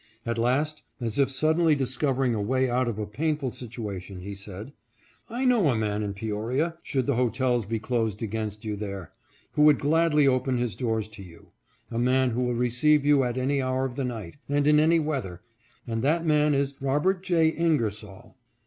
At last, as if suddenly discovering a way out of a painful situation, he said, " I know a man in Peoria, should the hotels be closed against you there, who would gladly open his doors to you — a man who will receive you at any hour of the night, and in any weather, and that man is Robert J. Inger soll."